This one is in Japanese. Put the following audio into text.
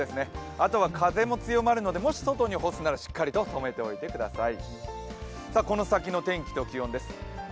あとは風も強まるのでもし外に干すならしっかりととめておいてください。